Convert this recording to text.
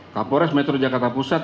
kapolres metro jakarta pusat